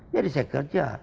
jadi saya kerja